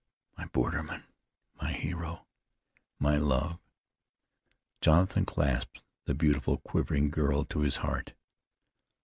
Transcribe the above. "My borderman! My hero! My love!" Jonathan clasped the beautiful, quivering girl to his heart.